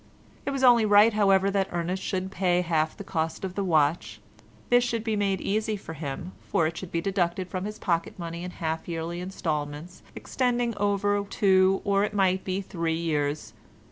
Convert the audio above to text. It was only right, however, that Ernest should pay half the cost of the watch; this should be made easy for him, for it should be deducted from his pocket money in half yearly instalments extending over two, or even it might be three years.